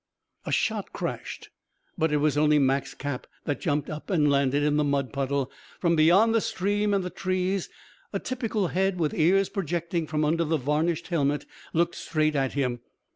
A shot crashed; but it was only Mak's cap, that jumped up and landed in the mud puddle. From beyond the stream and the trees a typical head with ears projecting from under the varnished helmet looked straight at him.